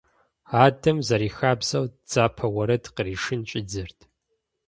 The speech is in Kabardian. Адэм, зэрихабзэу, дзапэ уэрэд къришын щIидзэрт.